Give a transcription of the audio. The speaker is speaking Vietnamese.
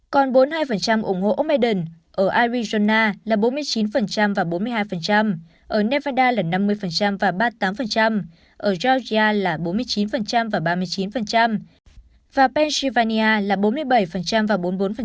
còn bốn mươi hai ủng hộ ông biden ở arizona là bốn mươi chín và bốn mươi hai ở nevada là năm mươi và ba mươi tám ở georgia là bốn mươi chín và ba mươi chín và pennsylvania là bốn mươi bảy và bốn mươi bốn